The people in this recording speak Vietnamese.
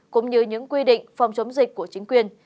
cũng như những quy định phòng chống dịch của chính quyền